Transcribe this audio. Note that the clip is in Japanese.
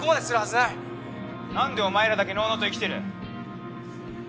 「なんでお前らだけのうのうと生きてる？」